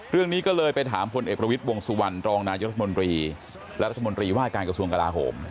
เรื่องนี้ก็เลยไปถามพลเอกประวิทย์วงสุวรรณรองนายรัฐมนตรีและรัฐมนตรีว่าการกระทรวงกลาโหม